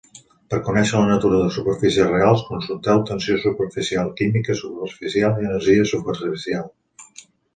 Per conèixer la natura de superfícies reals consulteu tensió superficial, química superficial i energia superficial.